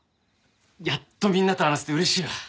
やっとみんなと話せて嬉しいわ。